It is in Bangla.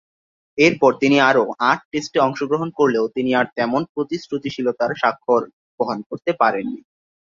এরপর তিনি আরও আট টেস্টে অংশগ্রহণ করলেও তিনি আর তেমন তার প্রতিশ্রুতিশীলতার স্বাক্ষর বহন করতে পারেননি।